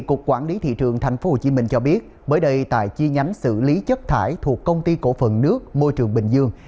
cục quản lý thị trường tp hcm cho biết mới đây tại chi nhánh xử lý chất thải thuộc công ty cổ phần nước môi trường bình dương